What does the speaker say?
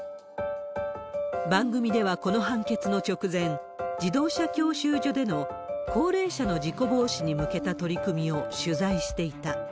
番組ではこの判決の直前、自動車教習所での高齢者の事故防止に向けた取り組みを取材していた。